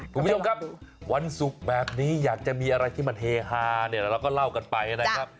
คุณผู้ชมครับวันศุกร์แบบนี้อยากจะมีอะไรที่มันเฮฮาเนี่ยเราก็เล่ากันไปนะครับ